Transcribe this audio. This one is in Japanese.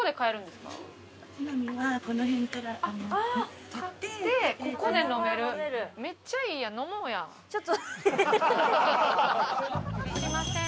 すいません。